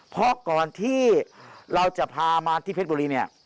เพราะก่อนที่เราจะพามาที่เพชรบุรีเนี่ย